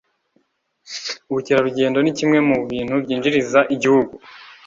Ubukerarugendo ni kimwe mu bintu byinjiriza igihugu